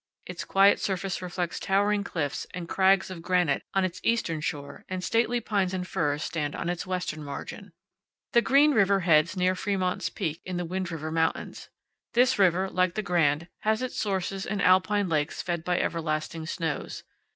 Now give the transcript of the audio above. Its quiet surface reflects towering cliffs and crags of granite on its eastern shore, and stately pines and firs stand on its western margin. The Green River heads near Fremont's Peak, in the Wind River Mountains. This river, like the Grand, has its sources in alpine lakes fed by everlasting snows.